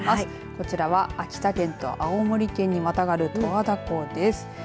こちらは秋田県と青森県にまたがる十和田湖です。